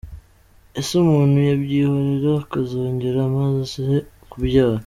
Ese umuntu yabyihorera akazongera amaze kubyara ?.